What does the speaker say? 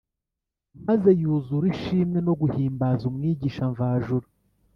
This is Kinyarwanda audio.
maze yuzura ishimwe no guhimbaza Umwigisha mvajuru